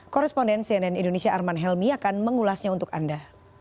koresponden cnn indonesia arman helmi akan mengulasnya untuk anda